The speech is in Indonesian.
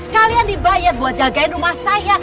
kalian dibayar buat jagain rumah saya